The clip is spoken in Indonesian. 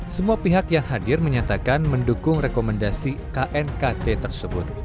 semua pihak yang hadir menyatakan mendukung rekomendasi knkt tersebut